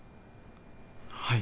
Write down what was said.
はい。